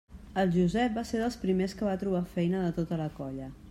El Josep va ser dels primers que va trobar feina de tota la colla.